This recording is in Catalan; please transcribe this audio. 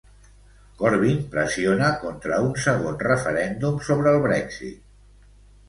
Corbyn pressiona contra un segon referèndum sobre el Brexit.